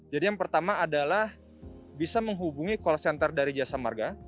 jadi yang pertama adalah bisa menghubungi call center dari jasa marga